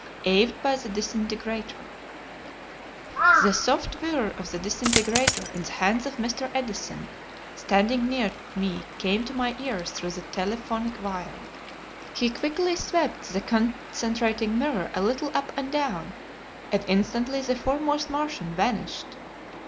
Awed by the Disintegrator. The soft whirr of the disintegrator in the hands of Mr. Edison standing near me came to my ears through the telephonic wire. He quickly swept the concentrating mirror a little up and down, and instantly the foremost Martian vanished!